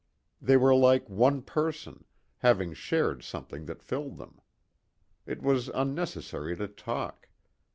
They were like one person, having shared something that filled them. It was unnecessary to talk.